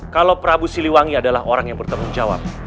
kalau prabu siliwangi adalah orang yang bertanggung jawab